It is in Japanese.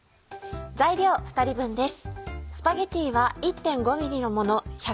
材料２人分です。